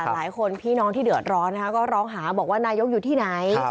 พี่น้องที่เดือดร้อนก็ร้องหาบอกว่านายกอยู่ที่ไหน